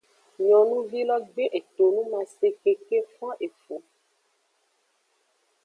Nyonuvi lo gbe etonumase keke fon efu.